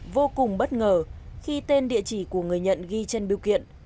vô cùng bất ngờ khi tên địa chỉ của người nhận ghi trên biểu kiện